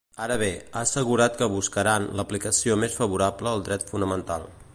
Ara bé, ha assegurat que buscaran “l’aplicació més favorable al dret fonamental”.